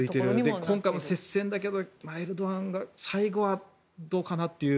今回も接戦だけどエルドアンが最後はどうかなという。